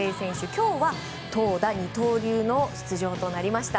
今日は投打二刀流の出場となりました。